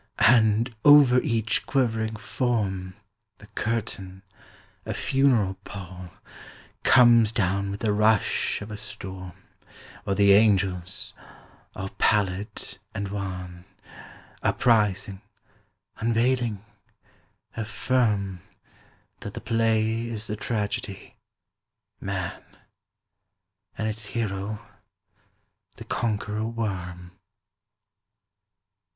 And over each quivering form The curtain, a funeral pall, 35 Comes down with the rush of a storm, While the angels, all pallid and wan, Uprising, unveiling, affirm That the play is the tragedy, "Man," And its hero, the Conqueror Worm.